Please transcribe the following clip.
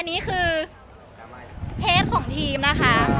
อันนี้คือเทปของทีมนะคะ